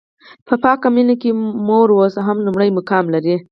په پاکه مینه کې مور اوس هم لومړی مقام لري.